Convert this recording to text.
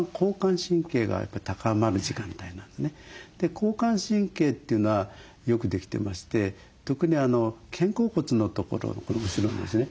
交感神経というのはよくできてまして特に肩甲骨のところこの後ろのですね